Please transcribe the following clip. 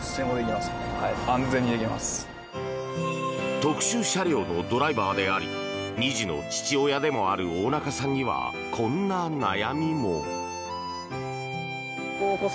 特殊車両のドライバーであり２児の父でもある大中さんにはこんな悩みも。